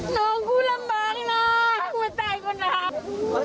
น้องคู่ลำบากนะมาตายก่อนนะ